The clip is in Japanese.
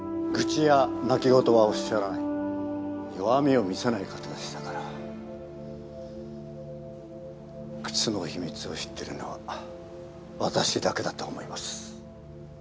愚痴や泣き言はおっしゃらない弱みを見せない方でしたから靴の秘密を知ってるのは私だけだと思います。